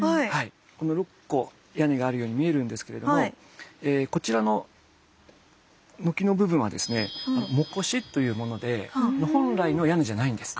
この６個屋根があるように見えるんですけれどもこちらの軒の部分はですね裳階というもので本来の屋根じゃないんです。